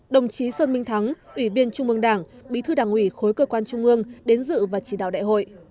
đồng chí sơn minh thắng ủy viên trung mương đảng bí thư đảng ủy khối cơ quan trung ương đến dự và chỉ đạo đại hội